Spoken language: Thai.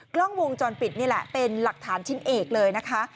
กล้องวงจรปิดนี่แหละเป็นหลักฐานชิ้นเอกเลยนะคะ